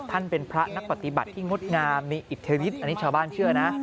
เป็นพระนักปฏิบัติที่งดงามมีอิทธิฤทธิอันนี้ชาวบ้านเชื่อนะ